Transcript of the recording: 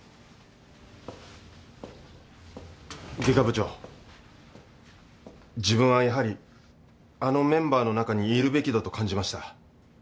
外科部長自分はやはりあのメンバーの中にいるべきだと感じました。